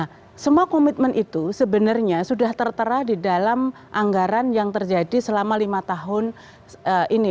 nah semua komitmen itu sebenarnya sudah tertera di dalam anggaran yang terjadi selama lima tahun ini